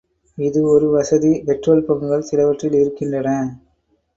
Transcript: இது ஒரு வசதி பெட்ரோல் பங்குகள் சிலவற்றில் இருக்கின்றன.